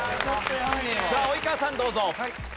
さあ及川さんどうぞ。